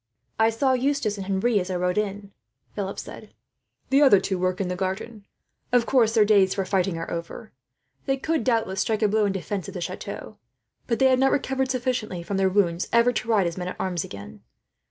"I saw Eustace and Henri, as I rode in," Philip said. "The other two work in the garden. Of course, their days for fighting are over. They could doubtless strike a blow in defence of the chateau, but they have not recovered sufficiently from their wounds ever to ride as men at arms again.